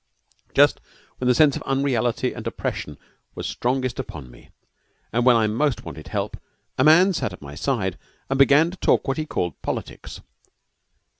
Just when the sense of unreality and oppression was strongest upon me, and when I most wanted help, a man sat at my side and began to talk what he called politics.